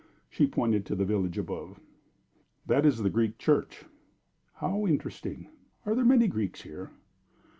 She pointed to the village above. "That is the Greek church." "How interesting! Are there many Greeks here?"